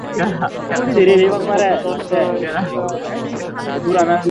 তখন আমি তাকে দান করলাম ইসহাক ও ইয়াকূব।